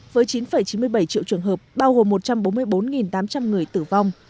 với chín chín mươi bảy triệu trường hợp bao gồm một trăm bốn mươi bốn tám trăm linh người tử vong